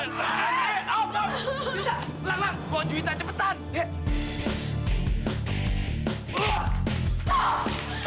gak mau papa gak mau